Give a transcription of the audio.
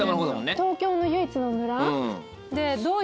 東京の唯一の村。